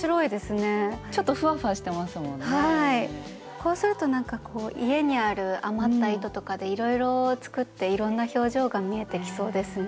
こうするとなんか家にある余った糸とかでいろいろ作っていろんな表情が見えてきそうですね。